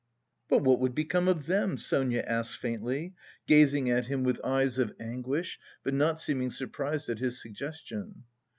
"But what would become of them?" Sonia asked faintly, gazing at him with eyes of anguish, but not seeming surprised at his suggestion.